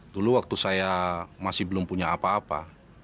dulu waktu saya masih belum punya apa apa